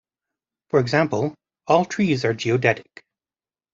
For example, all trees are geodetic.